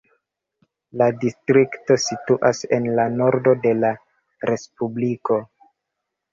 La distrikto situas en la nordo de la respubliko.